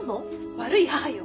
悪い母よ。